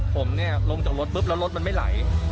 ผมเนี่ยลงจากรถปุ๊บแล้วรถมันไม่ไหล